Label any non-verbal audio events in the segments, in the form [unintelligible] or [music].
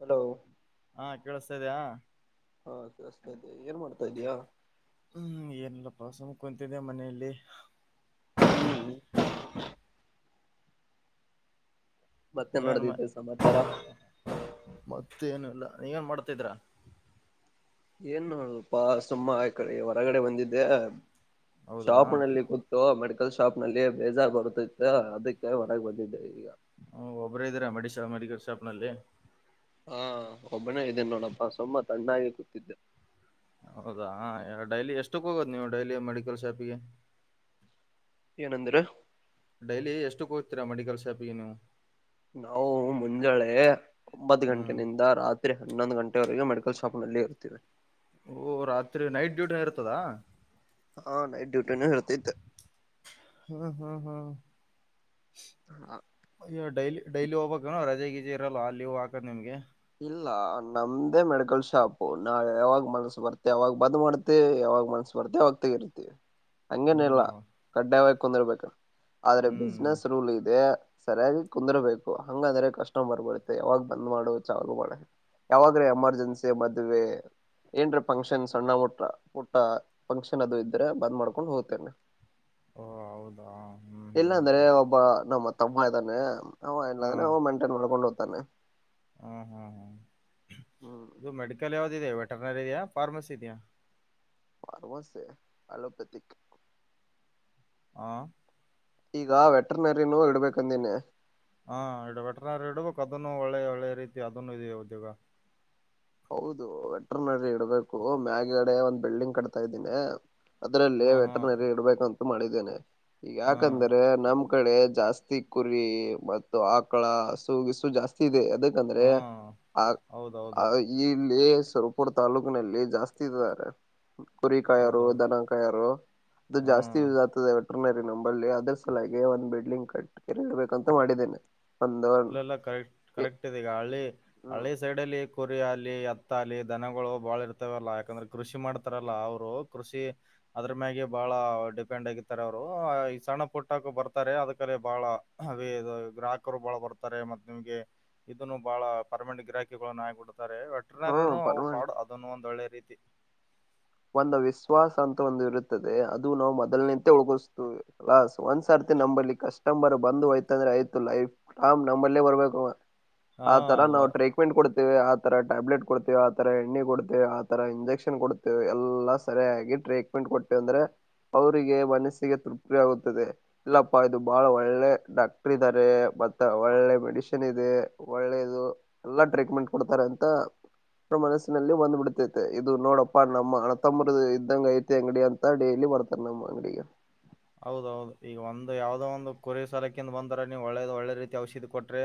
Hello ಹಾ ಕೇಳಿಸ್ತಾ ಇದ್ಯಾ ಹಾ ಸತ ಇದ ಏನ್ ಮಾಡ್ತಾ ಇದಯಾ ಕುಂತಿದೆ ಮನೆಯಲ್ಲಿ ಹ ಮತ್ತೆ ನೀವೇನ್ ಮ ನೋಡದಿದ್ದೆ ಸಮಾಚಾರ ಮತ್ತೇನು ಇಲ್ಲ ನೀವೇನ್ ಮಾಡ್ತಿದ್ರ ಏನ್ ನೋಡಪಾ ಸುಮ್ಮ ಆ ಕಡೆ ಹೊರಗಡೆ ಬಂದಿದ್ದೆ ಹೌದಾ ಶಾಪ್ನಲ್ಲಿ ಕೂತ ಮ ಲ್ ಶಾಪ್ ನಲ್ಲಿ ಬೇಜಾರ್ ಬರುತ್ತತ್ತು ಅದಕ್ಕೆ ಹೊರಗೆ ಬಂದಿದ್ದೆ ಈಗ ಪುರ ಇದ್ದೀರಾ ಮೆಡಿಶಾ ಮೆಡಿಕಲ್ ಶಾಪ್ನಲ್ಲಿ ಹಾ ಒಬ್ಬನೇ ಇದ್ದೇನೆ ನೋಡಪ್ಪಾ ಸುಮ್ಮ ತಣ್ಣಾಗಿ ಕೂತಿದ್ದೆ ಹೌದಾ ಡೈಲಿ ಎಷ್ಟಕ್ ಹೋಗದ ನೀವು ಡೈಲಿ ಮೆಡಿಕಲ್ ಶಾಪಿಗೆ ಏನಂದ್ರೆ ಡೈಲಿ ಎಷ್ಟು ಕೂ್ತೀರಾ ಮೆಡಿಕಲ್ ಶಾಪ್ಗೆ ನೀವು ನಾವು ಮುಂಜಳೆ ಒಂಬತ್ತು ಹ್ಮ್ ಗಂಟೆನಿಂದ ರಾತ್ರಿ ಹನ್ನೊಂದು ಗಂಟೆವರೆಗೆ ಮಡ್ಕವಿ ಶಾಪ್ನಲಿ ಇರ್ತೀವೆ ಡ್ಯೂಟ ಇರುತದಾ ಹಾ ನೈಟ್ ಡ್ಯೂಟಿ ನ ಹೇಳ್ತತೆ ಹ್ಮ್ ಹ್ಮ್ ಹ್ಮ್ ಡೈಲಿ ಡೈಲಿ ಹೋಗಬೇಕು ಕ ರೆಗ ಇ ಇರಲ್ಲ ಅಲ್ಲಿವ್ ಹಾಕದ ನಿಮ್ಗೆ ಇಲ್ಲ ನಮ್ದೇ ಮೆಡಿಕಲ್ ಶಾಪ್ ನಾವ ಯಾವಾಗ ಮನ್ಸ ಬರ್ತ ಯಾವಾಗ ಬಂದ್ ಮಾಡ್ತಿವಿ ಯಾವಾಗ ಮನ್ಸ ಬರ್ತಿ ಅವಾಗ ತೆಗಿರ್ತಿವಿ ಹಂಗೇನ ಇಲ್ಲಾ ಹ್ಮ್ ಕಡ್ಡಾಯಾವ ಕುಂದ ರ್ಬೇಕು ಆದ್ರೆ ಹ್ಮ್ ಬಿಜಿನೆಸ್ ರೂಲ್ ಇದೆ. ಸರಿಯಾಗಿ ಕುಂದ್ರಬೇಕು ಹಂಗದ್ರೆ ಕಸ್ಟಮರ್ ಬರುತ್ತೆ ಯಾವಾಗ ಬಂದ್ ಮಾಡು, ಬಾಳೆ ಯಾವಾಗ್ರೆ ಎಮರ್ಜೆನ್ಸಿ ಮದ್ವೆ ಏನ್ರ ಫಂಕ್ಷನ್ ಸಣ್ಣ ಟ ಪುಟ್ಟ ಫಂಕ್ಷನ್ ಅದು ಇದ್ರೆ ಬಂದ್ ಮಾಡ್ಕೊಂಡು ಹೋಗ್ತೇನೆ. ಓ ಹೌದಾ ಹ್ಮ್ ಇಲ್ಲ ಹ್ಮ್ ಅಂದ್ರೆ ಹ್ಮ್ ಒಬ್ಬ ನಮ್ಮ ತಮ್ಮ ಇದಾನೆ. ಅವ ಹ ಇಲ್ಲಂದ್ರೆ ಅವ ಮೆಂಟೈನ್ ಮಾಡ್ಕೊಂಡೊ ತನೆ. ಹ್ಮ್ ಹ್ಮ್ ಹ್ಮ್ ಹ್ಮ್ ಇದು ಮೆಡಿಕಲ್ ಯಾವ್ ದಿದೆ ವೆಟರ್ನರಿಯಾ ಫಾರ್ಮಸಿ ಇದ್ಯ? ಫಾರ್ಮಸಿ ಅಲೋಪೆಥಿಕ್ ಆ ಈಗ ವೆಟ್ರನರಿನೂ ಇಡ್ಬೇಕಂದೀನಿ. ಹಾ ಇಡು ವೆಟ್ರುನರಿ ಇಡ್ಬೇಕು ಅದುನ್ನು ಒಳ್ಳೆ ಒಳ್ಳೆ ರೀತಿ ಅದುನ್ನು ಇದೆಯ ಉದ್ಯೋಗ. ಹೌದು ವೆಟ್ರುನರಿ ಇಡ್ಬೇಕು ಮ್ಯಾಗಡೆ ಒಂದ್ ಬಿಲ್ಡಿಂಗ್ ಕಟ್ತಾ ಇದೀನಿ. ಅದ್ರಲ್ಲಿ ಹ್ಮ್ ಹ್ಮ್ ವೆಟ್ರುನರಿ ಇಡ್ಬೇಕನ್ ಮಾಡಿದಿನಿ ಹ್ಮ್ ಯಾಕಂದ್ರೆ ನಮ್ ಕಡೆ ಜಾಸ್ ತಿ ಕುರಿ ಮತ್ತು ಆಕಳಾ ಸೂಗೆಷ್ಟು ಜಾಸ್ತಿ ಇದೆ. ಬೇಕಂದ್ರೆ ಹ್ಮ್ ಆ ಆ ಅ ಹೌದೌದು ಇಲ್ಲಿ ಸುರಪುರ ತಾಲೂಕಿನಲ್ಲಿ ಜಾಸ್ತಿ ಇದಾರೆ. ಕುರಿಕಯರು ಹೌದೌದು ದನಕಾಯಾರು ಇದು ಜಾಸ್ತಿ ಹ್ಮ್ ಆಗ್ತಿದೆ. [unintelligible] ನಂಬಲ್ಲಿ ಅದ್ರ ಸಲಾಗಿ ಒಂದ್ ಬಿಲ್ಡಿಂಗ್ ಕಟ್ ಕಂಬೇಕ್ ಅಂತ ಮಾಡಿದೀನಿ. ಇಲ್ಲೆಲ್ಲ ಕರೆಕ್ಟ್ ಕರೆಕ್ಟ್ ಇದೀಗ ಹಳ್ಳಿ ಹ್ಮ್ ಹಳ್ಳಿ ಸೈಡಲ್ಲಿ ಕೊಟ್ ಗರಿ ಅಲ್ಲಿ ಹತ್ತಲ್ಲಿ ದನಗಳು ಬಾಳ ಇರ್ತವಲ್ಲಾ ಯಾಕಂದ್ರೆ ಕೃಷಿ ಮಾಡ್ತರಲ್ಲ ಅವ್ರು ಕೃಷಿ ಅದ್ರ ಮ್ಯಾಗೆ ಬಹಳ ಡಿಪೆಂಡ್ ಆಗಿರ್ತಾರ್ ಅವ್ರು ಈ ಸಣ್ಣ ಪುಟ್ಟಕ ಬರ್ತರೆ ಅದ್ಕಲ್ಲಿ ಬಹಳ ಅದು ಇದು ಗ್ರಾಹಕರು ಬಹಳ ಬರ್ ತರೆ ಮತ್ ನಿಮ್ಗೆ ಇದುನ್ನು ಬಹಳ ಪರ್ಮೆಂಟು ಗಿರಾಕಿಗಳ್ನ ಆಗ್ಬಿಡ್ ಹ್ಮ್ ಪರ್ಮೆನ್ ಒಂದ್ ಒಳ್ಳೆ ರೀತಿ ಒಂದು ವಿಶ್ವಾಸ ಅಂತ ಒಂದು ಇರುತ್ತದೆ ಅದು ನಾವು ಮೊದಲ್ ನಿಂತ [unintelligible] ಒಂದ್ಸರ್ತಿ ನಂಬಲ್ಲಿ ಕಸ್ಟಮರ್ ಬಂದು ಹೋಯ್ತಂದ್ರೆ ಆಯ್ತು ಲೈಫ್ಟೈಮ್ ನಮ್ಮಲ್ಲೇ ಬರ್ಬೇಕವ. ಹಾ ಆ ತರ ಅದು ನಾವು ಟ್ರೀಟ್ಮೆಂಟ್ ಕೊಡ್ ಆ ತರ ಟ್ಯಾಬ್ಲೆಟ್ ಕೊಡ್ತೇವೆ ಆ ತರ ಎಣ್ಣಿ ಕೊಡ್ತವೆ ಆ ತರ ಇಂಜೆಕ್ಷನ್ ಕೊಡ್ತ್ ಎಲ್ಲಾ ಸರಿಯಾಗಿ ಟ್ರೀಟ್ಮೆಂಟ್ ಕೊಟ್ವಿ ಅಂದ್ರೆ ಅವ್ರಿಗೆ ಮನಸ್ಸಿಗೆ ತೃಪ್ತಿ ಆಗುತ್ತದೆ. ಇಲ್ಲಪ್ಪಾ ಇದು ಬಾಳ ಒಳ್ಳೆ ಡಾಕ್ಟ್ರು ಇದಾರೆ ಮತ್ತ ಒಳ್ಳೆ ಮೆಡಿಶನ್ ಇದೆ ಒಳ್ಳೆದು ಎಲ್ಲ ಟ್ರೀಟ್ಮೆಂಟ್ ಕೊಡ್ತಾರೆ ಅಂತ ಮನಸ್ಸಿನಲ್ಲಿ ಬಂದ್ಬಿಡ್ತೈತೆ ಇದು ನೋಡ ಪ್ಪ ನಮ್ಮ ಅಣ ತಮ್ಮರು ಇದ್ದಂಗ ಐತಿ ಅಂಗಡಿ ಅಂತ ಡೈಲಿ ಬರ್ತಾರೆ ನಮ್ಮ ಅಂಗಡಿಗೆ. ಹೌದೌದು ಈಗ ಒಂದು ಯಾವದೋ ಒಂದು ಕುರಿ ಸರಕಿಂದ್ ಬಂದ್ರೆ ನೀವು ಒಳ್ಳೇದು ಒಳ್ಳೆ ರೀತಿ ಔಷಧಿ ಕೊಟ್ರೆ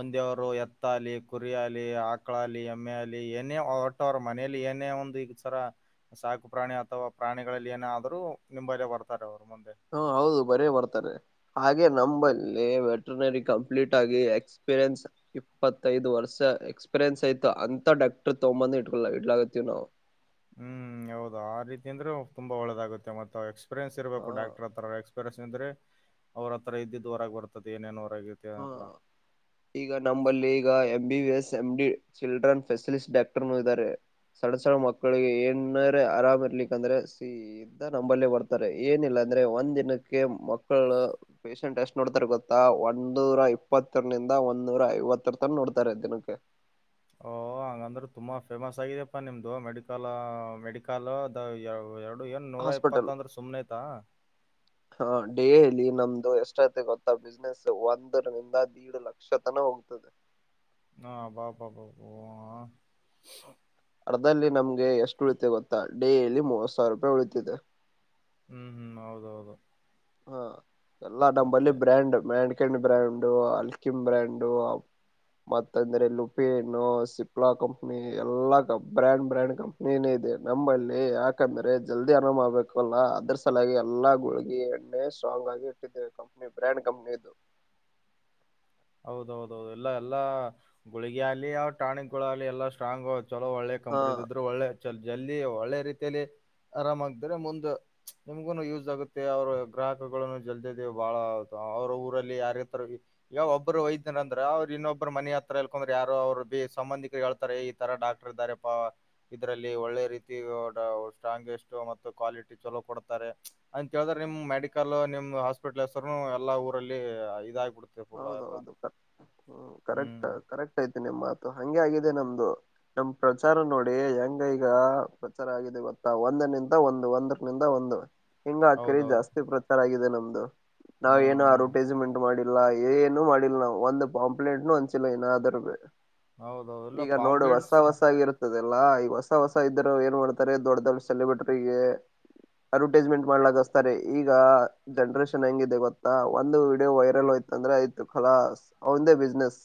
ಒಂದೇವರು ಎತ್ತಾಲಿ ಕುರಿಯಾಲಿ ಆಕಾಲಿ ಎಮ್ಮೆ ಹುಲಿ ಏನೇ ಒಟ್ ಅವ್ರು ಮನೇಲಿ ಏನೇ ಒಂದು ಈಸರ ಸಾಕು ಪ್ರಾಣಿ ಅಥವಾ ಪ್ರಾಣಿಗಳಲ್ಲಿ ಏನೇ ಆದರೂ ನಿಂಬಲ್ಲಿ ಬರ್ತಾರೆ ಅವ್ರು ಮುಂದೆ. ಹಾ ಹೌದ್ ರೀ ಬರೀ ಬರ್ತರೆ ಹಾಗೆ ನಂಬಲ್ಲಿ ವೆಟ್ರುನರಿ ಕಂಪ್ಲೀಟ್ ಆಗಿ ಎಕ್ಸ್ಪೀರಿಯೆನ್ಸ್ ಇಪ್ಪತ್ತೈದು ವರ್ಷ ಎಕ್ಸ್ಪೀರಿಯನ್ಸ್ ಆಯ್ತು ಅಂತ ಡಾಕ್ಟ್ರು ತಗೊಂಬಂದು ಇಟ್ಕೊಲ್ಲ ಇಡ್ಲಾಗತೀವ್ ನಾವು. ಹ್ಮ್ ಹೌದು ಆ ರೀತಿ ಅಂದ್ರೆ ತುಂಬಾ ಒಳ್ಳೆದಾಗುತ್ತೆ ಮತ್ತ ಪಿರಿಯನ್ಸ್ ಹಾ ಇರ್ಬೇಕು ಡಾಕ್ಟ್ರು ಹತ್ರ ಎಕ್ಸ್ಪೀರಿಯೆನ್ಸ್ ಸಂದ್ರೆ ಅವ್ರತ್ರ ಇದ್ದಿದ್ದು ಹೊರಾಗ್ ಬರ್ತದೆ ಏನೇನೋ ಹಾ ಈಗ ನಂಬಲ್ಲಿ ಈಗ B S M D children specialist ಡಾಕ್ಟ್ರುನು ಇದಾರೆ ಸಣ ಸಣ್ಣ ಮಕ್ಕಳಿಗೆ ಏನಾರ ಆರಾಮ್ ಇರ್ಲಿಕ್ಕಂದ್ರೆ ಸ ನಂಬಲ್ಲೆ ಬರ್ತರೆ ಏನಿಲ್ಲ ಅಂದ್ರೆ ಒಂದ್ ದಿನಕ್ಕೆ ಮಕ್ಕಳ ಪೇಶಂಟ್ ಎಷ್ಟ್ ನೋಡ್ತರೆ ಗೊತ್ತಾ ಒನ್ ಒನ್ನೂರ ಇಪ್ಪತ್ತರ್ ನಿಂದ ಒಂದ್ನೂರ ಐವತ್ತಿರ್ತರ್ ನೋಡ್ತಾರೆ ದಿನಕ್ಕೆ ಓ ಹಂಗಂದ್ರೆ ತುಂಬಾ ಫೇಮಸ್ ಆಗಿದ್ಯಪ್ಪಾ ನಿಮ್ದು ಮೆಡಿಕಲ್ಲು ಮೆಡಿಕಲು ಅದು ಎರಡು ಏನ್ ನೂರ ಹಾಸ್ಪಿಟಲ್ ಇಪ್ಪತ್ತು ಅಂದ್ರೆ ಸುಮ್ನೆ ಆಯ್ತಾ ಹಾ ಡೇಲಿ ನಮ್ದು ಎಷ್ಟೈತಿ ಗೊತ್ತಾ ಬಿಸ್ನೆಸ್ಸು ಒಂದರಿಂದ ದೀಡ್ ಲಕ್ಷ ತನ ಹೋಗ್ತದೆ ಹಾ ಬಾಪಾಪಾ ಡದಲ್ಲಿ ನಮ್ಗೆ ಎಷ್ಟು ಉಳಿತ ಗೊತ್ತಾ ಡೇಯಲ್ಲಿ ಮೂವತ್ ಸಾವಿರ ರೂಪಾಯಿ ಉಳಿತಿದೆ ಹ್ಮ್ ಹ್ಮ್ ಹೌದೌದು ಹಾ ಎಲ್ಲಾ ನಮ್ಮಲ್ಲಿ ಮತ್ತೆ ಬ್ರ್ಯಾಂಡ್ ಮ್ಯಾಂಡ್ ಸಕೆಂಡ್ ಬ್ರ್ಯಾಂಡು ಅಲ್ಕಿಮ್ ಬ್ರ್ಯಾಂಡು ಮತ್ತ ಅಂದ್ರೆ ಲುಪಿನ್ನು ಸಿಪ್ಲಾ ಕಂಪ್ನಿ ಎಲ್ಲಾ ಬ್ರ್ಯಾಂಡ್ ಬ್ರ್ಯಾಂಡ್ ಕಂಪ್ನಿನೇ ಇದೆ ನಂಬಲ್ಲಿ ಯಾಕಂದ್ರೆ ಜಲ್ದಿ ಅನಮ ಆಬೇಕು ಅಲ್ಲ ಅದ್ರ ಸಲಾಗಿ ಎಲ್ಲಾ ಗುಳಗಿಣ ಮ ಸಂಗ್ ಆಗಿದ್ದ ಕಂಪನ ಬ್ರಾಂಡಂಡ ಕಂಪನದುು ಹೌ ಹೌದೌದು ಎಲ್ಲ ಎಲ್ಲಾ ಗುಳಿಗೆಯಲ್ಲಿ ಟಾಣಿಕ್ ಎಲ್ಲಾ ಸ್ಟ್ರಾಂಗ್ ಆ ಚಲೋ ಒಳ್ಳೆ ಹಾ ಕಂಪ್ನ ಇದ ಇದ್ರು ಒಳ್ಳೆ ಜಲ್ದಿ ಒಳ್ಳೆ ರೀತಿಯಲ್ಲಿ ಆರಾಮಾಗಿದ್ರೆ ಮುಂದೆ ನಿಮ್ಗುನು ಯೂಸ್ ಆಗುತ್ತೆ ಅವರು ಗ್ರಾಹಕಗಳುನು ಜಲ್ದ ಬಹಳ ಅವರ ಊರಲ್ಲಿ ಯಾರತರ ಈಗ ಒಬ್ಬ ಒಬ್ಬರು ವೈದ್ಯರ ಅಂದ್ರೆ ಅವರು ಇನ್ನೊಬ್ಬರ ಮನೆ ಹತ್ರ ಹೇಳ್ಕೊಂಡ್ರೆ ಯಾರು ಅವರು ಸಂಬಂಧಿಕರು ಹೇಳ್ತಾರೆ ಈ ತರ ಡಾಕ್ಟರ್ ಇದಾರೆಪ್ಪ ಇದರಲ್ಲಿ ಒಳ್ಳೆ ರೀತಿ ಸ್ಟ್ರಾಂಸ್ಟ್ ಮತ್ತು ಕ್ವಾಲಿಟಿ ಚಲೋ ಕೊಡುತ್ತಾರೆ ಅಂತೇಳಿದ್ರೆ ನಿಮ್ ಮೆಡಿಕಲ್ ನಿಮ ಹಾಸ್ಪಿಟ್ಲ್ ಹೆಸರು ಎಲ್ಲಾ ಊರಲ್ಲಿ ಇದಬಡ್ ಬುಲ ಎಲ್ಲ ಹ್ಮ ಕರೆಕ್ಟ್ ಕರೆಕ್ಟ್ ಐತೇನೆ ಮಾತು ಹಂಗೆ ಆಗಿದೆ ನಮ್ದು ನಮ ಪ್ರಚಾರ ನೋಡಿ ಹೆಂಗ ಈಗ ಪ್ರಚಾರ ಆಗಿದೆ ಗತ್ತಾ ಒಂದ ನಿಂದ ಒಂದು ಒಂದರ ನಿಂದ ಒಂದು ಹಿಂಗ ಆಕರಿ ಹೌದೌದು ಜಾಸ್ತಿ ಪ್ರಚಾರ ಆಗ ಇದೆ ನಮ್ದು ನಾವ್ ಹ್ಮ್ ಏನು ಹ್ಮ್ ಅಡ್ವರ್ಟೈಸ್ಮೆಂಟ್ ಮಾಡಿ ಇಲ್ಲ ಏನು ಮಾಡಿಲ್ಲ ನಾವವು ಒಂದು ಕಾಂಪ್ಲೇಂಟ್ನು ಅಂಚಿಲ್ಲ ಇನ್ನಾದ್ರ ಹೌದೌದು ಇಲ್ಲ ಈಗ ನೋಡು ಹೊಸ ಪಾಂಪ್ಲೆಟ್ಸ್ ಹೊಸಾಗಿ ಇರುತ್ತದೆ ಈ ಹೊಸ ಹೊಸ ಇದರು ಏನ್ ಮಾಡ್ತಾರೆ ದೊಡ್ಡ ದೊಡ್ಡ ಸೆಲೆಬ್ರಿಟಗೆ ಅಡ್ವರ್ಟೈಸ್ಮೆಂಟ್ ಮಾಡ್ಲಾಗಸ್ತಾರೆ ಈಗ ಜನರೇಷನ್ ಹೆಂಗಿದೆ ಗೊತ್ತಾ ಒಂದು ವಿಡಿಯೋ ವೈರಲ್ ಆಯತ ಅಂದ್ರೆ ಆಯ್ತು ಕಲಾಂದೇ ಬಿಸ್ನೆಸ್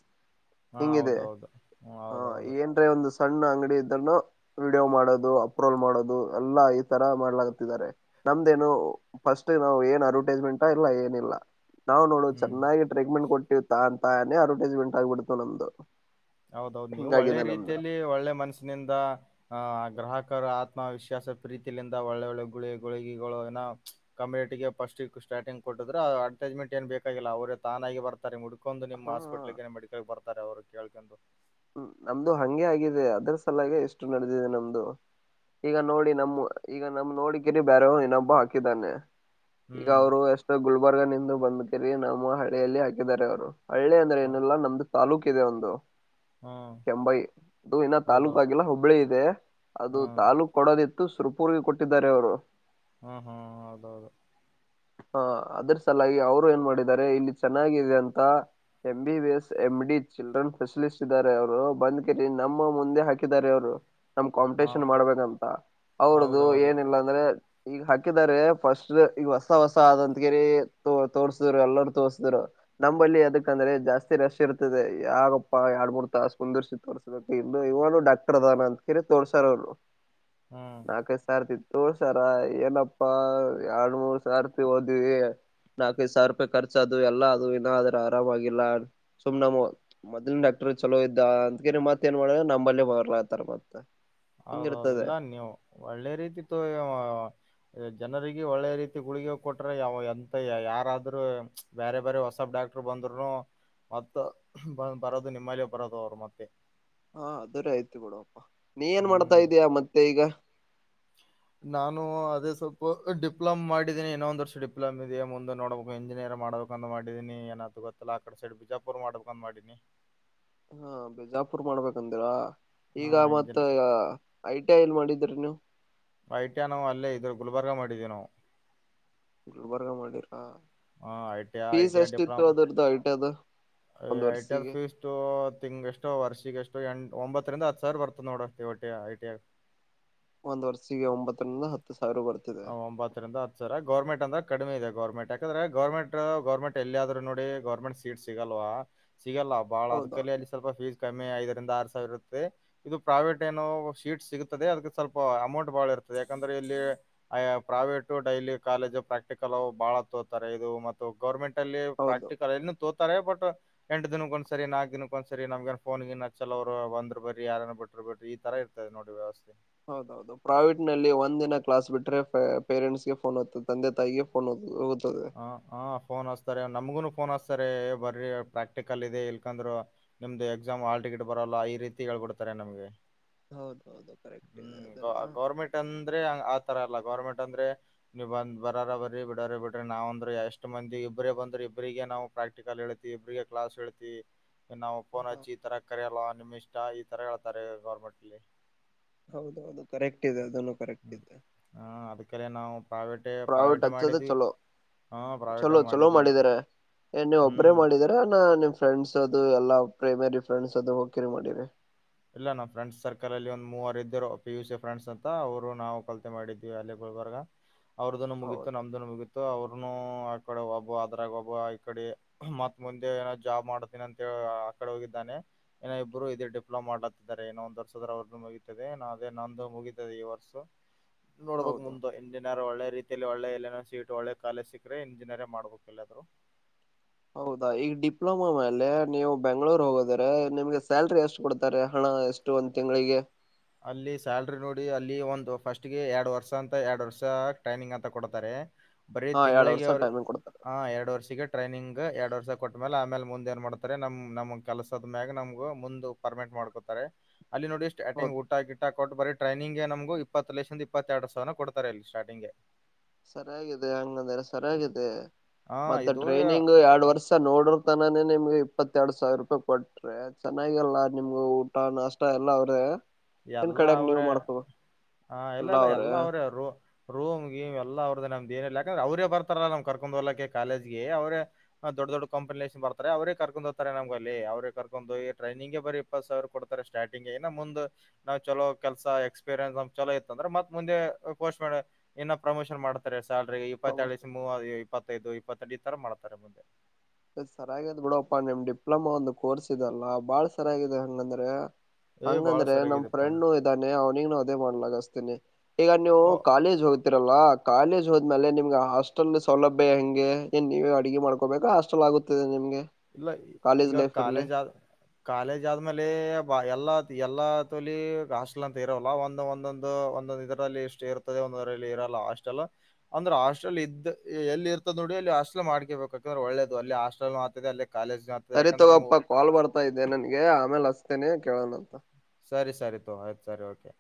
ಹಾ ಹಿಂಗಿದೆ ಹೌದೌದು ಹ್ಮ ಹಾ ಹೌದೌದು ಏನ್ರೆ ಒಂದು ಸಣ್ಣ ಅಂಗಡಿ ಇದನ್ನು ವಿಡಿಯೋ ಮಾಡೋದು ಅಪ್ರೋಲ್ ಮಾಡೋದು ಎಲ್ಲಾ ಈ ತರ ಮಾಡ್ಲತಿದ್ದಾರೆ ನಮ್ದೇನು ಫಸ್ಟ್ ನಾವು ಏನ್ ಅಡ್ವರ್ಟೈಸ್ಮೆಂಟ್ ಇಲ್ಲ ಏನಿಲ್ಲ ನ ಹ್ಮ್ ಚನ್ನಾಗಿ ಟ್ರೀಟ್ಮೆಂಟ್ ಅಂತಾನೆ ಅಡ್ವರ್ಟೈಸ್ಮೆಂಟ್ ಆಗ್ಬಿಡ್ತು ನಮ್ದು ಹೌದೌದು ನೀವು ಒಳ್ಳೆ ಹಿಂಗಾಗಿದೆ ನಮ್ದು ರೀತಿಯಲ್ಲಿ ಒಳ್ಳೆ ಮನಸಿನಿಂದ ಆಹ ಆ ಗ್ರಾಹಕ ಆತ್ಮವಿಶ್ವಾಸ ಪ್ರೀತಿಯಿಂದ ಒಳ್ಳೆ ಒಳ್ಳೆ ಗುಳಿ ಗುಳಿಗೆಗಳು ಕಮ್ಯುನಟಿಗೆ ಫಸ್ಟ್ ಸ್ಟಾರ್ಟಿಂಗ್ ಕೊಟ್ಟಿದ್ರು ಅಡ್ವರ್ಟೈಸ್ಮೆಂಟ್ ಏನು ಬೇಕಾಗಿಲ್ಲ ಅವರೇ ತಾನಾಗಿ ಬರ್ತಾರೆ ಹಾ ನಿಮ [unintelligible] ಏ ಮಡಿಕಲ್ ಅವ್ರಿಗೆ ಕೇಳ್ಕು [inaudible] ಹ್ಮ ನಮ್ದು ಹಂಗೆ ಆಗಿದೆ ಅದ್ರ ಸಲಾಗೆ ಎಷ್ಟು ನಡೆದಿದೆ ನಮ್ದು ಈಗ ನೋಡಿ ನಮ ಈಗ ನಮ್ದ ನೋಡಿ ಕಿರಿ ಬೇರೆ ಇನ್ನೊಬ್ಬ ಹಾಕಿದ್ದಾನೆ ಈಗ ಹ್ಮ್ ಅವ್ರು ಎಷ್ಟು ಗುಲ್ಬರ್ಗ ನಿಂದು ಬಂದ ನಮ್ಮ ಹಳೆಯಲ್ಲಿ ಹಾಕಿದಿದ್ದಾರೆ ಅವರು ಹಳ್ಳೆ ಅಂದ್ರೆ ಹ ಏನಲ್ಲ ನಮ್ದ ತಾಲೂಕು ಕಿದೆ ಒಂದು ಹ್ಮ್ ಕೆಂಬೈಿ ಇದು ಇನ್ನ ತಾಲೂಕ ಹೌದೌದು ಆಗಿಲ್ಲ ಹುಬ್ಬಳಿ ಇದೆ ಅದು ಹ್ಮ್ ತಾಲೂಕ್ ಕೊಡೋದಿತ್ತು ಸುರ್ಪೂರ್ಗೆ ಕೊಟ್ಟಿದ್ದಾರೆ ಅವರು ಹ್ಮ ಹ್ಮ್ ಹೌದೌದು ಹ ಅದ್ರ ಸಲಾಗಿ ಅವ್ರು ಏನ್ ಮಾಡಿದ್ದಾರೆ ಇಲ್ಲಿ ಚೆನ್ನಾಗಿದೆ ಅಂತ ಎ್ B B S M D children specialist ಇದ್ದಾರೆ ಅವರು ಬಂದ್ ಕರಿ ನಮ್ಮ ಮುಂದೆ ಹಾಕಿದ್ದಾರೆ ಅವರು ನಮ್ ಹಾ ಕಾಂಪಿಟಷನ್ ಮಾಡ್ಬೇಕಂತ ಅವ್ರದದುು ಹೌದೌದು ಏನಿಲ್ಲ ಅಂದ್ರೆ ಈಗ ಹಾಕಿದ್ದಾರೆ ಫಸ್ಟ್ ಈಗ ಹೊಸ ಹೊಸ ಆದ ಅಂತ ಕೇಳರಿ ತೋ ತೋರ್ಸಿದ್ರು ಎಲ್ಲರೂ ತೋರ್ಸಿದ್ರು ನಂಬಲ್ಲಿ ಅದಕಂದ್ರೆ ಜಾಸ್ತಿ ರಶ್ ಇರ್ತದೆ ಯಗಪ್ಪಾ ಎರಡ್ ಮೂರ್ ತ ಕುಂದಿರ್ಸಿ ತೋರ್ಸಕ್ ಇ ಇವನು ಡಾಕ್ಟರ್ ದಾನ ಅಂತ ಕೇಳರಿ ತೋರ್ಸಾರ ಅವ್ರು ಹ್ಮ್ ನಾಲ್ಕೈ ಸಾರ್ದ ತೋರ್ಸಾರ ಏನಪ್ಪಾ ಯ್ಮೋಸ್ಟ್ ಸತಿ ಹೋದ್ವಿ ನಾಲ್ಕೈದು ಸಾವಿರ ರೂಪಾಯಿ ಖರ್ಚ ಅದು ಎಲ್ಲ ಅದು ಇಏ ಆದ್ರ ಆರಾಮಾಗಿಲ್ಲ ಸುಮ್ ನಮ್ಮ ಮೊದ್ಕ್ಟ್ರ ಚಲೋ ಇದ್ದ ಅಂತಕಿ ಮತ್ತ ಏನ್ ಮಾಡ ನಂಬಲ್ಲಿ ಬರ್ಲತಾರ ಮತ್ತ ಹೌದೌದು ಹಿಂಗಿರ್ತದೆ ಇಲ್ಲ ನೀವು ಒಳ್ಳೆ ರೀತಿತ್ತು ಜನರಿಗೆ ಒಳ್ಳೆ ರೀತಿ ಉುಳಿಗೆ ಕೊಟ್ರ ಯಾವ ಎಂತ ಯಾರಾದ್ರರು ಬೇರೆ ಬೇರೆ ಹೊಸಬ್ ಡಾಕ್ಟರ್ ಬಂದ್ರುನು ಮತ್ತ ಬ ಬರೋದು ನಿಮ್ಮಲ್ಲಿ ಬರೋದು ಅವರು ಮತ್ತೆ ಹಾ ಅದರ ಆಯ್ತು ಕೊಡುವಪ್ಪ ನೀ ಏನ್ ಮಾಡ್ತಾ ಹ್ಮ್ ಇದೀಯಾ ಮತ್ತೆ ಈಗ ನಾನು ಅದೇ ಸ್ವಲ್ಪ ಡಿಪ್ಲೊಮ್ ಮಾಡಿದೀನಿ ಇನ್ನೊಂದ ವರ್ಷ ಡಿಪ್ಲೊಮ್ ಇದೆಯ ಮುಂದೆ ನೋಡ್ಬೇಕು ಇಂಜಿನಿಯರ್ ಮಾಡ್ಬೇಕಂದ್ ಮಾಡಿದೀನಿ ಏನಾತದ ಗೊತ್ತಲ್ಲ ಆ ಕಡೆ ಸೈಡ್ ಬಿಜಾಪುರ್ ಮಾಡ್ಬೇಕಂತ ಮಾಡೀನಿ ಹಾ ಬಿಜಾಪುರ್ ಮಾಡ್ಬೇಕಂದಿರಾ ಹ ಈಗ ಮತ್ತ ಇಂಜಿನ್ ಈಗ ಐ ಟಿ ಐ ಎಲ್ಲಿ ಮಾಡಿದ್ದ [unintelligible] ವೈಟ್ಯಾ ನಾ ಅಲ್ಲೇ ಇದ್ರ ಗುಲ್ಬರ್ಗ ಮಾಡಿದೀವಿ ನಾವು ಗುಲ್ಬರ್ಗ ಮಾಡಿರಿ ಹ ಐಟಿಐ ಐಟಿಐ ಡಿಪ್ಲೊಮ ಅದ್ರದ್ದು ಐ ಟಿ ಐ ದು ಒಂದ್ ಐಟಿಐ ವರ್ಷಿಗೆ ಫೀಸ್ದು ತಿಂಗ ಎಷ್ಟು ವರ್ಷಿಗ್ ಎಷ್ಟು ಎಷ್ಟು ಒಂಬತ್ತರಿಂದ ಹತ್ತ ಸಾವಿರ ಬರ್ತದ ನೋಡ ಐಟಿಐ ಗ್. ಒಂದ್ ವರ್ಷಿಗೆ ಒಂಬತ್ತರಿಂದ ಹತ್ತ ಒಂಬತ್ತರಿಂದ ಹತ್ತು ಸಾವ್ರ ಗೌರ್ಮೆಂಟ್ ಅಂದ್ರೆ ಕಡಿಮೆ ಇದೆ ಗರ್ಮೆಂಟ್ ಯಾಕಂದ್ರೆ ಗೌರ್ಮೆಂಟ್ ಗೌರ್ಮೆಟ್ ಎಲ್ಲಿ ಆದ್ರು ನೋಡಿ ಗೌರ್ಮೆಂಟ್ ಸೀಟ್ ಸಿಗಲ್ವಾ ಸಿಗಲ್ಲ ಬಾಳ ಹೌದಾ ಅದಕಲ್ಲಿ ಅಲ್ಲಿ ಸ್ವಲ್ಪ ಫೀಸ್ ಕಮ್ಮಿ ಐದರಿಂದ ಆರ್ ಅಂತಾ ಇರುತ್ತೆ ಇದು ಪ್ರೈವೇಟ್ ಏನೋ ಶೀಟ್ ಸಿಗತದೆ ಅದಕ್ಕೆ ಸ್ವಲ್ಪ ಅಮೌಂಟ್ ಬಹಳ ಇರ್ತದೆ ಯಾಕಂದ್ರೆ ಇಲ್ಲಿ ಅಯ ಪ್ರೈವೇಟು ಡೈಲಿ ಕಾಲೇಜು ಪ್ರಾಕ್ಟಿಕಲ್ ಬಹಳ ತೋತಾರೆ ಇದು ಮತ್ತು ಗೌರ್ಮೆಂಟ್ ಪ್ರೈವೇಟಲ್ಲಿ ಹೌದು ಪ್ರಾಕ್ಟಿಕಲ್ ಇನ್ನೂ ತೋ ತೋತಾರೆ ಬಟ್ ಎಂಟ ದಿನಕ್ಕ ಒಂದಸರಿ ನಾಲ್ಕ್ ದಿನಕ್ಕ ಒಂದ್ಸರಿ ನಮ್ಗನ್ ಫೋನ್ ಗಿನ್ ಹಚ್ಚಲ್ಲ ಅವರು ಬಂದ್ರ್ ಬರ್ರಿ ಯಾರನ್ ಬಿಟ್ಟ್ರ ಬಿಡ್ರಿ ಈ ತರ ಇರ್ತದೆ ನೋಡಿ ವ್ಯವಸ್ಥೆ. ಹೌದೌದು ಪ್ರೈವೇಟ್ ನಲ್ಲಿ ಒಂದ್ ದಿನ ಕ್ಲಾಸ್ ಬಿಟ್ರೆ ಪೇ ಪೇರೆಂಟ್ಸ್ ಗೆ ಫೋನ್ ಹೊತ್ತದೇ ತಂದೆ ತಾಯಿಗೆ ಫೋನ್ ಹೊತದೇ ಹೌದ. ಹ ಹ ಫೋನ್ ಹಚ್ ತ್ತಾರೆ ನಮ್ಗುನು ಫೋನ್ ಹಚ್ಚತಾರೆ ಬರ್ರ ಪ್ರಾಕ್ಟಿಕಲ್ ಇದೆ ಇಲ್ಕಂದ್ರರು ನಿಮ್ದು ಎಕ್ಸಾಮ್ ಹಾಲ್ ಟಿಕೆಟ್ ಬರಲ್ಲ ಈ ರೀತಿ ಹೇಳ್ಬಿಡ್ತಾರೆ ನಮ್ಗೆ. ಹೌದೌದು ಕರೆಕ್ಟ್ ಇದೆ ಹ್ಮ್ ಗೌ ಅದನ್ನು ಗೌರ್ಮೆಂಟ್ ಅಂತ ಅಂದ್ರೆ ಆ ತರ ಅಲ್ಲ ಗವರ್ಮೆಂಟ್ ಅಂದ್ರೆ ನೀವ ಬಂದ ಬರರ ಬರಿ ಬಿಡರೆ ಬಿಡ್. ನಾವ್ ಅಂದ್ರೆ ಎಷ್ಟ್ ಮಂದಿ ಇಬ್ಬ್ರೇ ಬಂದ್ರೆ ಇಬ್ರಿಗೆ ನಾವು ಪ್ರಾಕ್ಟಿಕಲ್ ಹೇಳ್ತಿ ಇಬರಿಗೆ ಕ್ಲಾಸ್ ಹೇಳ್ತಿ ನಾವು ಫೋನ್ಚ್ಚಿ ಈ ತರ ಕರೆಯಲ್ಲ ನಿಮ್ ಇಷ್ಟ ಈ ತರ ಹೇಳ್ತಾರೆ ಗೌರ್ಮೆಂಟ್ಲ್ಲಿ. ಹೌದೌದು ಕರೆಕ್ಟ್ ಇದೆ ಅದನ್ನು ಕರೆಕ್ಟ್ ಹ್ಮ್ ಇದೆ ಹ ಅದಕಲೆ ನಾವು ಪ್ರೈವೇಟೇ ಪ್ರಾವಿಟ್ ಪ್ರೈವೇಟೇ ಹಚ್ಚದು ಮಾಡಿದ್ವಿ ಚಲೋ ಹ ಪ್ರೈವೇಟೇ ಚಲೋ ಚಲೋ ಮಾಡಿದ್ವಿ ಮಾಡಿದಾರ ಏನ್ ನೀವ್ ಒಬ್ರೇ ಹ್ಮ್ ಮಾಡಿದ್ರಾ ಏನ್ ನಿಮ್ ಫ್ರೆಂಡ್ಸ್ ಅದು ಎಲ್ಲಾ ಪ್ರೇಮರಿ ಫ್ರೆಂಡ್ಸ್ ಅದು ಹೋಗಕಿರಿ ಮಾಡಿರಿ ಇಲ್ಲ ನಮ್ಮ್ ಫ್ರೆಂಡ್ಸ್ ಸರ್ಕಲ್ ಅಲ್ಲಿ ಒಂದ್ ಮೂವರು ಇದ್ದರು ಪಿ ಯು ಸಿ ಫ್ರೆಂಡ್ಸ್ ಅಂತ ಅವ್ರು ನಾವು ಕಲ್ತೆ ಮಾಡಿದ್ವಿ ಅಲ್ಲಿ ಗುಲ್ಬರ್ಗ ಅವರ್ದುನು ಮುಗತು ಹೌದು ನಮ್ದನ್ನು ಮುಗೀತು ಅವ್ರ ಇನ್ ಆ ಕಡೆ ಒಬ್ಬ ಅದ್ರಾಗ ಒಬ್ಬ ಈ ಕಡೆ ಮತ್ ಮುಂದೆ ಏನೋ ಜಾಬ್ ಮಾಡತೀನಿ. ಅಂತ ಆ ಕಡೆ ಹೋಗಿದ್ದಾನೆ. ಇನ್ನೂ ಇಬ್ರು ಇದೇ ಡಿಪ್ ಲೋ ಮಾಡ್ಲತ್ತಿದ್ದಾರೆ ಇನ್ನ ಒಂದ್ ವರ್ಷದ ಅವ ಮುಗಿತದೆ ನಾ ಅದೇ ನಂದು ಮುಗಿತದೆ ಈ ವರ್ಷ ನೋಡ್ಬಕ್ ಹೌದು ಮುಂದ ಎಂಜಿನಿಯರ್ ಒಳ್ಳೆ ರೀತಿಯಲ್ಲಿ ಒಳ್ಳೆ ಎಲ್ಲನೋ ಸೀಟ್ ಒಳ್ಳೆ ಕಾಲೇಜ್ ಸಿಕ್ಕ್ರೆ ಇಂಜಿನಿಯರೇ ಮಾಡ್ಬೇಕು ಎಲ್ಲಾದ್ರು ಹೌದಾ ಈಗ ಡಿಪ್ಲೊಮೊ ಮೇಲೆ ನೀವು ಬೆಂಗ್ಳೂರ್ ಹೋದ್ರೆ ನಿಮ್ಗೆ ಸ್ಯಾಲ್ರಿ ಎಷ್ಟು ಕೊಡ್ತಾರೆ ಹಣ ಎಷ್ಟು ಒಂದ್ ತಿಂಗಳಿಗೆ ಅಲ್ಲಿ ಸ್ಯಾಲ್ರಿ ನೋಡಿ ಅಲ್ಲಿ ಒಂದು ಫಸ್ಟ್ಗೆ ಎರಡ್ ವರ್ಷ ಅಂತ ಎರಡ್ ವರ್ಷ ಟ್ರೈನಿಂಗ್ ಅಂತ ಕೊಡ್ತಾರೆ ಬರೇ ಹಾ ಎರಡ್ ತಿಂಗಳಿಗೆ ವರ್ಷ ಅವರು ಟೈಮಿಂಗ್ ಕೊಡ್ತಾರೆ ಆ ಎರಡು ವರ್ಷಕ್ಕೆ ಟ್ರೈನಿಂಗ್ ಎರಡ್ ವರ್ಷ ಕೊಟ್ ಮೇಲೆ ಆಮೇಲೆ ಮುಂದ್ ಏನ್ ಮಾಡ್ತಾರೆ ನಮ್ ನಮ್ ಕೆಲ್ಸದ ಮ್ಯಾಗ ನಮ್ಗ ಮುಂದ ಪರ್ಮಿಟ್ ಮಾಡ್ಕೊತಾರೆ ಅಲ್ಲಿ ನೋಡಿ ಸ್ಟಾರ್ಟಿಂಗ್ ಹೌದು ಕೊಟ್ಟ ಬರಿ ಟ್ರೈನಿಂಗ್ ನಮಗು ಇಪ್ಪತ್ತು ಲಕ್ಷದಂದ ಇಪ್ಪತ್ತೆರಡು ಸಾವಿರ ಕೊಡ್ತಾರೆ ಇಲ್ಲಿ ಸ್ಟಾರ್ಟಿಂಗ್ಗೆ ಸರಿಯಾಗಿದೆ ಅಂಗಂದ್ರೆ ಸರಿಯಾಗಿದೆ ಹ ಮತ್ತೆ ಇದು ಟ್ರೈನಿಂಗ್ ಎರಡ್ ವರ್ಷ ನೋಡರ್ತಾನ. ನಿಮ್ಗೆ ಇಪ್ಪತ್ತ ಎರಡ್ ಸಾವಿರ ರೂಪಾಯಿ ಕೊಟ್ರೆ, ಚೆನ್ನಾಗಲ್ಲ ನಿಮ್ಗೆ ಊಟ ನಾಷ್ಟ ಎಲ್ಲ ಅವ್ರೆ. ಏನ್ ಎಲ್ಲ ಕಡೆಕ್ ನೀವ್ ಅವರೇ ಮಾಡ್ಕೋ ಹ ಎಲ್ಲ ಎಲ್ಲ ಎಲ್ಲ ಅವರೇ ರೂ ರೂಮ್ ಗೀಮ್ ಎಲ್ಲ ಅವ್ ನಮ್ದ್ ಏನ್ ಇಲ್ಲ ಯಾಕಂದ್ರೆ ಅವ್ರೇ ಬರ್ತಲ್ಲ ನಮ್ನ್ ಕರ್ಕೊಂಡ ಹೋಗಾಕ್ಕೆ ಕಾಲೇಜಗೆ ಅವರ ದೊಡ್ ದೊಡ್ ಕಾಂಪಿನೇಷನ್ ಬರ್ತಾರೆ ಅವರ ಕರ್ಕೊಂಡ್ ಹೋಗತಾರೆ ನಮ್ ಅ ಅವರ ಕರ್ಕೊಂಡ ಹೋಗಿ ಟ್ರೈನಿಂಗ್ಗೆ ಬರಿ ಇಪ್ಪತ್ ಸಾವಿರ ಕೊಡ್ತಾರೆ ಸ್ಟಾರ್ಟಿಂಗ್ ಇನ್ ಮೊಂದ್ ನಾವ್ ಚಲೋ ಕೆಲ್ಸ ಎಕ್ಸ್ಪೀರಿಯನ್ಸ್ ಚಲೋ ಇತ್ತಂದ್ರ ಮತ್ ಮುಂದೆ ಪೋಸ್ಟ್ ಮ ಇನ್ನ ಪ್ರಮೋಷನ್ ಮಾಡ್ತಾರೆ. ಸಲ್ರಿ ಇಪ್ಪತ್ತಳ ಮೂವ ಇಪ್ಪತ್ತು ಇದು ಇಪ್ಪತ್ತೆಂಟದು ತರ ಮಾಡ್ತಾರೆ ಮುಂದೆ ಸರ್ಯಾಗಿದೆ ಬಿಡಪ್ಪಾ ನಿಮ್ ಡಿಪ್ಲೊಮೊ ಒಂದು ಕೋರ್ಸ್ ಇದೆ ಅಲ್ಲ ಬಾಳ್ ಸರಿಯಾಗಿದೆ ಹಂಗಂದ್ರೆ ಏ ಬಾಳ ಹಂಗಂದ್ರೆ ನಮ್ ಸರಿಯಾಗಿದೆಪ್ಪಾ ಫ್ರೆಂಡ್ ಇದ್ದಾನೆ ಅವ್ನಿಗ್ ಅದೇ ಮಾಡ್ಲಾಕಸ್ತೀನಿ ಈಗ ನೀವು ಓ ಕಾಲೇಜ್ ಹೋಗ ಹೋಗ್ತಿರಲ್ಲ ಕಾಲೇಜ್ ಹೋದ್ಮೇಲೆ ನಿಮ್ಗೆ ಹಾಸ್ಟೆಲ್ ಸೌಲಭ್ಯ ಹೆಂಗೆ ಏನ್ ನೀವೇ ಅಡುಗೆ ಮಾಡ್ಕೋಬೇಕಾ ಚಲೋ ಆಗುತ್ತಿದೆ ನಿಮ್ಗೆ ಇಲ್ಲ ಕಾಲೇಜ್ ಈಗ ಲೈಫ್ ಅಲ್ಲಿ ಕಾಲೇಜ್ ಆದ್ ಕಾಲೇಜ್ ಆದ್ಮೇಲೆ ಎಲ್ಲ ಎಲ್ಲ ಎಲತುಲಿ ಹಾಸ್ಟೆಲ್ ಅಂತ ಇರಲ್ಲ ಒಂದ ಒಂದೊಂದು ಒಂದೊಂದು ಇದರಲ್ಲಿ ಇಷ್ಟ ಇರ್ತದೆ ಒಂದರಲ್ಲಿ ಇರಲ್ಲ ಹಾಸ್ಟೆಲ್ ಅಂದ್ರೆ ಹಾಸ್ಟೆಲ್ ಇದ್ ಎಲ್ಲಿ ಇರ್ತದ ನೋಡಿ ಅಲ್ಲಿ ಹಾಸ್ಟೆಲ್ ಮಾಡ್ಕೇಬೇಕಾಕಂದ್ರೆ ಒಳ್ಳೇದು ಅಲ್ಲಿ ಹಾಸ್ಟೆಲ್ [unintelligible] ಆಗ್ತದೆ ಸರಿ ಯಾಕಂದ್ರೆ ನಮಗ್ ತಗೋಪ್ಪಾ ಕಾಲ್ ಬರ್ತಾ ಇದ್ದೆ ನನ್ಗೆ ಆಮೇಲ್ ಹಚ್ತೇನೆ. ಕೇಳನ ಅಂತ ಸರಿ ಸರಿ ತಗೋ ಆಯ್ತಾ ಸರಿ ಓಕೆ